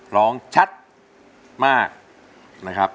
ร้องชัดมากนะครับ